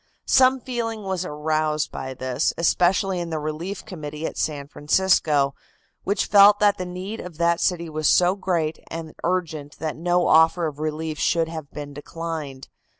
Some feeling was aroused by this, especially in the relief committee at San Francisco, which felt that the need of that city was so great and urgent that no offer of relief should have been declined.